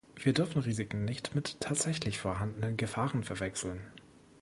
Wir dürfen Risiken nicht mit tatsächlich vorhandenen Gefahren verwechseln.